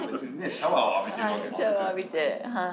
シャワー浴びてはい。